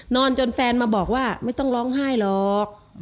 จนแฟนมาบอกว่าไม่ต้องร้องไห้หรอก